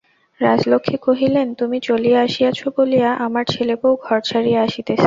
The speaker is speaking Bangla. রাজলক্ষ্মী কহিলেন, তুমি চলিয়া আসিয়াছ বলিয়া আমার ছেলে-বউ ঘর ছাড়িয়া আসিতেছে।